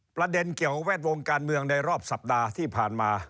ประเด็นเกี่ยวแวดวงการเมืองในรอบสัปดาห์ที่ผ่านมา